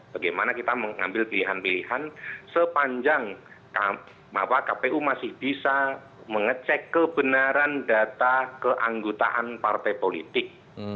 bagaimana kita mengambil pilihan pilihan sepanjang bahwa kpu masih bisa mengecek kebenaran data keanggotaan partai politik